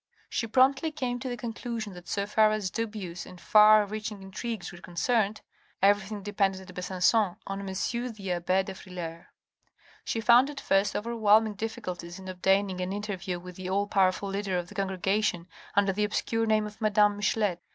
She promptly came to the conclusion that so far as dubious and far reaching intrigues were concerned, everything depended at Besancon on M. the abbe de Frilair. She found at first overwhelming difficulties in obtaining an interview with the all powerful leader of the congregation under the obscure name of madame Michelet.